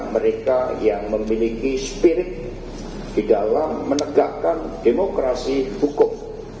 mereka yang memiliki spirit di dalam menegakkan demokrasi hukum